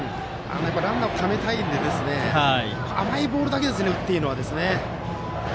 ランナーをためたいので甘いボールだけですね打っていいのは。